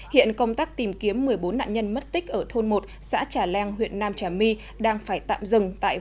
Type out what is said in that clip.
hiện công tác tìm kiếm một mươi bốn nạn nhân mất tích ở thôn một xã trà leng huyện nam trà my đang phải tạm dừng